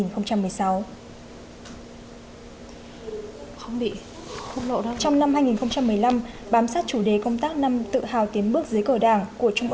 trong năm hai nghìn một mươi năm bám sát chủ đề công tác năm tự hào tiến bước dưới cờ đảng